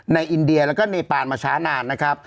อินเดียแล้วก็เนปานมาช้านานนะครับ